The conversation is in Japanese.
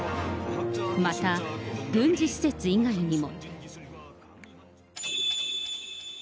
また、軍事施設以外にも。